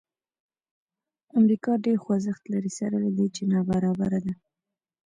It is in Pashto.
امریکا ډېر خوځښت لري سره له دې چې نابرابره ده.